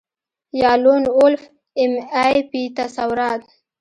یا لون وولف ایم آی پي تصورات